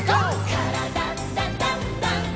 「からだダンダンダン」